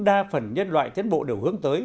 đa phần nhân loại tiến bộ đều hướng tới